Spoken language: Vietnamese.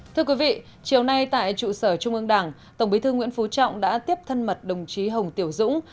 thưa quý vị chiều nay tại trụ sở trung ương đảng tổng bí thư nguyễn phú trọng đã tiếp thân mật đồng chí hồng tiểu dũng